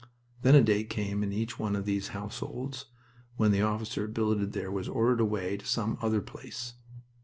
Then a day came in each one of these households when the officer billeted there was ordered away to some other place.